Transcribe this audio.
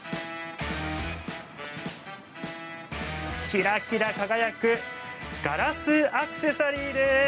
キラキラ輝くガラスアクセサリーです。